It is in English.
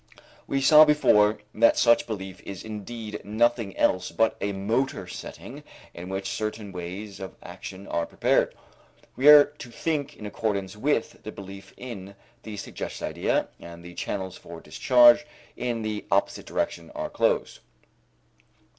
We saw before that such belief is indeed nothing else but a motor setting in which certain ways of action are prepared. We are to think in accordance with the belief in the suggested idea and the channels for discharge in the opposite direction are closed.